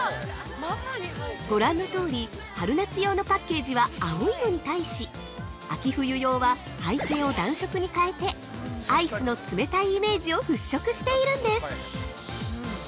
ご覧のとおり、春夏用のパッケージは青いのに対し秋冬用は背景を暖色に変えて、アイスの冷たいイメージを払拭しているんです！